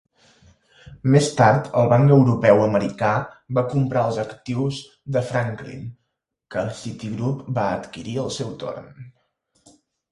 Més tard el Banc Europeu Americà va comprar els actius de Franklin, que Citigroup va adquirir el seu torn.